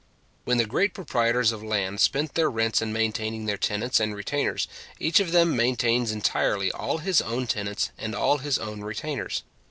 When the great proprietors of land spend their rents in maintaining their tenants and retainers, each of them maintains entirely all his own tenants and all his own retainers.